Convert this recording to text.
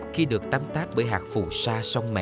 khi được tắm tác bởi hạt phù sa sông mẹ